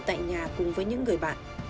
tại nhà cùng với những người bạn